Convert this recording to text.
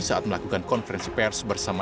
saat melakukan konferensi pers bersama